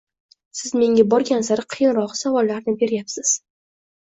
Siz menga borgan sari qiyinroq savollarni beryapsiz.